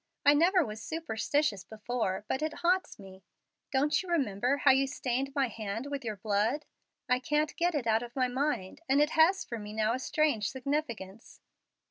I never was superstitious before, but it haunts me. Don't you remember how you stained my hand with your blood? I can't get it out of my mind, and it has for me now a strange significance.